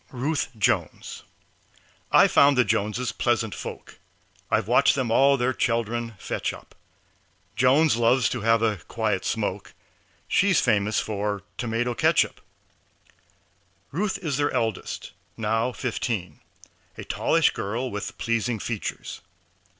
RUTH JONES I've found the Joneses pleasant folk I've watched them all their children fetch up. Jones loves to have a quiet smoke She's famous for tomato catchup. Ruth is their eldest now fifteen, A tallish girl with pleasing features.